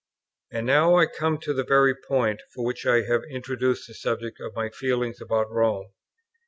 And now I come to the very point, for which I have introduced the subject of my feelings about Rome.